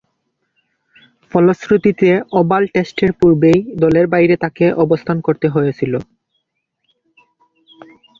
ফলশ্রুতিতে ওভাল টেস্টের পূর্বেই দলের বাইরে তাকে অবস্থান করতে হয়েছিল।